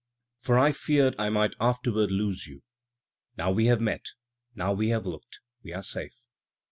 For I feared I might afterward lose you. Now we have met, we have look'd, we are safe.